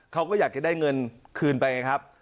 เขาก็อยากจะได้เงินคืนไปไงครับ